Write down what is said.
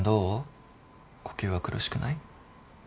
呼吸は苦しくない？